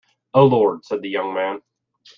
"O Lord," said the young man.